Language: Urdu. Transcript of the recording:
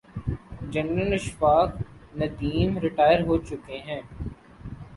جنرل اشفاق ندیم ریٹائر ہو چکے ہیں۔